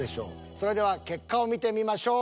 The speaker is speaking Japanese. それでは結果を見てみましょう。